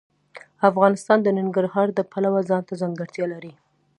افغانستان د ننګرهار د پلوه ځانته ځانګړتیا لري.